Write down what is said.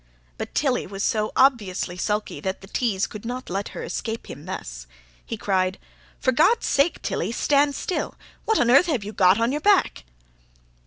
But Tilly was so obviously sulky that the tense could not let her escape him thus. He cried: "For God's sake, Tilly, stand still! What on earth have you got on your back?"